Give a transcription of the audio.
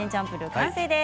完成です。